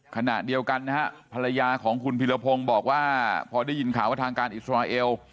ขณะเดียวกันนะฮะภรรยาของคุณพิรพงศ์บอกว่าพอได้ยินข่าวว่าทางการอิสราเอล